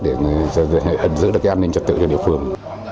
để giữ được cái an ninh trật tự cho địa phương